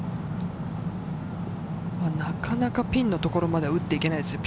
なかなかピンのところまでは打っていけないですよ。